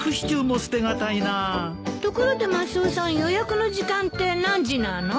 ところでマスオさん予約の時間って何時なの？